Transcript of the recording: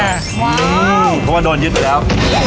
เพราะว่าโดนยึดไปแล้ว